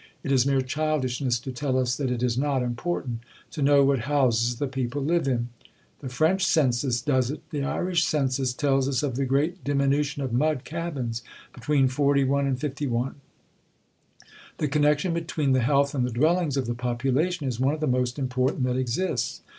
It is mere childishness to tell us that it is not important to know what houses the people live in. The French Census does it. The Irish Census tells us of the great diminution of mud cabins between '41 and '51. The connection between the health and the dwellings of the population is one of the most important that exists.